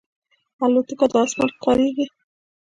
الوتکه د اسمان ښکاریږي.